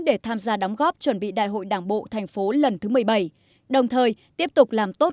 để tham gia đóng góp chuẩn bị đại hội đảng bộ thành phố lần thứ một mươi bảy đồng thời tiếp tục làm tốt